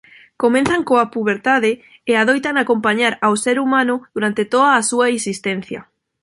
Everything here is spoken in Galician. Comezan coa puberdade e adoitan acompañar ao ser humano durante toda a súa existencia.